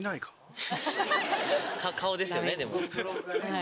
顔ですよねでも。